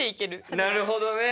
なるほどね。